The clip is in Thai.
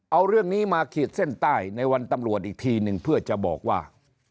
เอาเรื่องนี้มาขีดเส้นใต้ในวันตำรวจอีกทีหนึ่งเพื่อจะบอกว่า